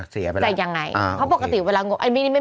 จะยังไง